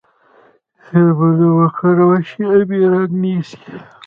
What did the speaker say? که میتیلین بلو وکارول شي آبي رنګ نیسي.